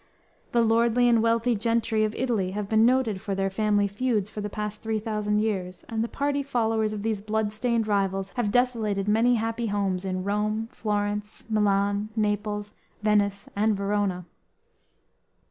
The lordly and wealthy gentry of Italy have been noted for their family feuds for the past three thousand years, and the party followers of these blood stained rivals have desolated many happy homes in Rome, Florence, Milan, Naples, Venice and Verona.